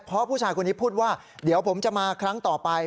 เพราะผู้ชายคนนี้พูดว่าเดี๋ยวผมจะมาครั้งต่อไป